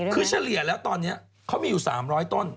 คือเฉลี่ยแล้วตอนนี้เขามีอยู่๓๐๐ต้น